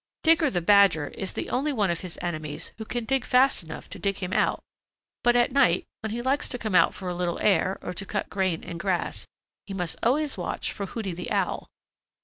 Digger the Badger is the only one of his enemies who can dig fast enough to dig him out, but at night, when he likes to come out for a little air or to cut grain and grass, he must always watch for Hooty the Owl.